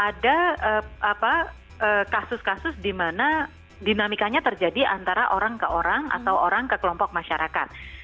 ada kasus kasus di mana dinamikanya terjadi antara orang ke orang atau orang ke kelompok masyarakat